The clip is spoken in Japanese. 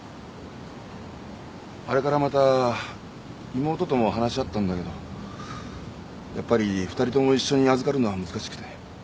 あれからまた妹とも話し合ったんだけどやっぱり２人とも一緒に預かるのは難しくて。